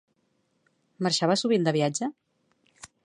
Marxava sovint de viatge?